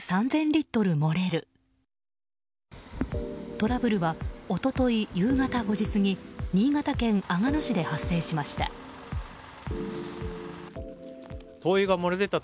トラブルは一昨日夕方５時過ぎ新潟県阿賀野市で発生しました。